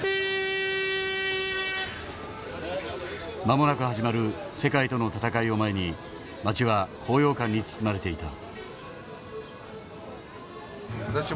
間もなく始まる世界との戦いを前に街は高揚感に包まれていた。